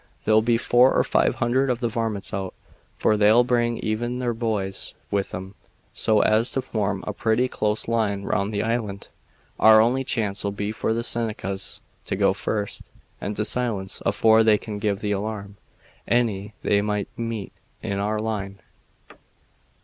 There'll be four or five hundred of the varmints out, for they'll bring even their boys with 'em, so as to form a pretty close line round the island. Our only chance'll be for the Senecas to go first, and to silence, afore they can give the alarm, any they might meet on our line.